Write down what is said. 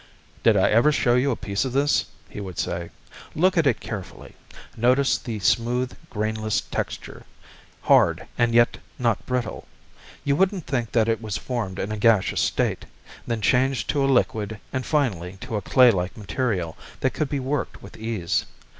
"Did I ever show you a piece of this?" he would say. "Look at it carefully. Notice the smooth grainless texture hard and yet not brittle. You wouldn't think that it was formed in a gaseous state, then changed to a liquid and finally to a clay like material that could be worked with ease.